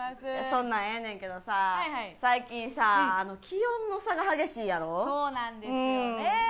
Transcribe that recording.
そんなんええねんけどさ最近さ気温の差が激しいやろそうなんですよね